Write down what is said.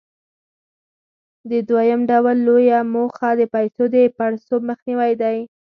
د دویم ډول لویه موخه د پیسو د پړسوب مخنیوى دی.